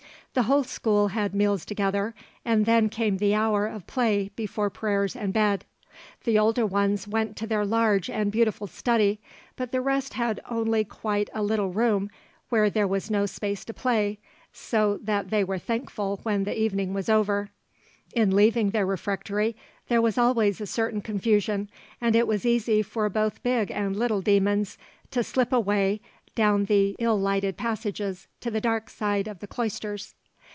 The whole school had meals together, and then came the hour of play before prayers and bed. The older ones went to their large and beautiful study, but the rest had only quite a little room where there was no space to play, so that they were thankful when the evening was over. In leaving the refectory there was always a certain confusion, and it was easy for both big and little demons to slip away down the ill lighted passages to the dark side of the cloisters.